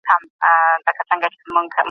بد فکر تل ماتي راولي